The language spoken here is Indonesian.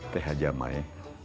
teh aja mai